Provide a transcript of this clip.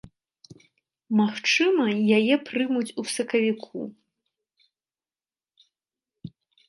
Магчыма, яе прымуць ў сакавіку.